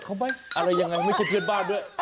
อะไรยังไงไม่ใช่เพื่อนบ้านด้วย